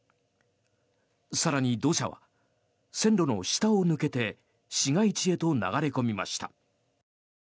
更に、土砂は線路の下を抜けて市街地へと流れ込みました。